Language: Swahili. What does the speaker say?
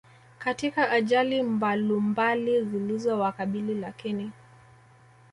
Katika ajali mbalumbali zilizo wakabili Lakini